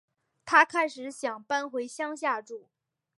她开始想搬回乡下住